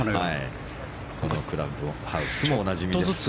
このクラブハウスもおなじみです。